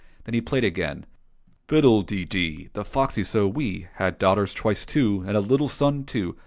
Then he played again : ^''Fiddle de dee ! The foxy so wee Had daughters twice two. And a little son too.